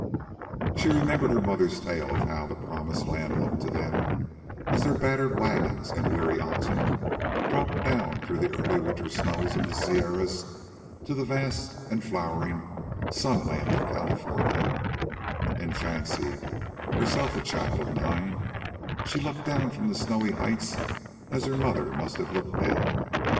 She remembered her mother's tale of how the promised land looked to them as their battered wagons and weary oxen dropped down through the early winter snows of the Sierras to the vast and flowering sun land of California: In fancy, herself a child of nine, she looked down from the snowy heights as her mother must have looked down.